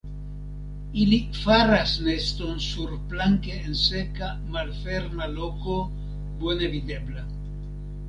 Ili faras neston surplanke en seka malferma loko bone videbla.